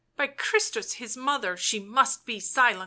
By Christus His Mother she must be silent